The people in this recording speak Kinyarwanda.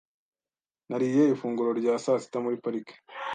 Nariye ifunguro rya saa sita muri parike .